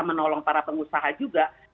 menolong para pengusaha juga